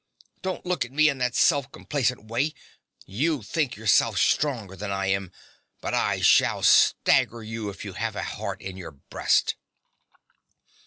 Don't look at me in that self complacent way. You think yourself stronger than I am; but I shall stagger you if you have a heart in your breast.